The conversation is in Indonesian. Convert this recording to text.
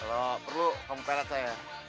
kalau perlu kamu pelot saya